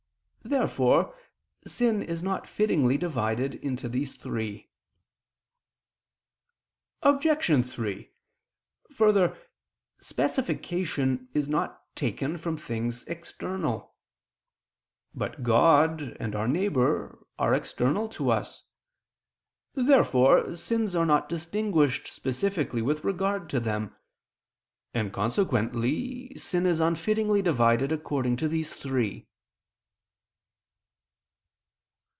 Therefore sin is not fittingly divided into these three. Obj. 3: Further, specification is not taken from things external. But God and our neighbor are external to us. Therefore sins are not distinguished specifically with regard to them: and consequently sin is unfittingly divided according to these three.